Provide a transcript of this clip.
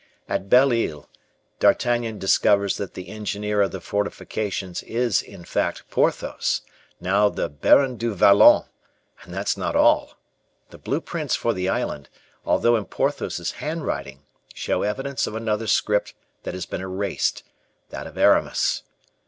At Belle Isle, D'Artagnan discovers that the engineer of the fortifications is, in fact, Porthos, now the Baron du Vallon, and that's not all. The blueprints for the island, although in Porthos's handwriting, show evidence of another script that has been erased, that of Aramis.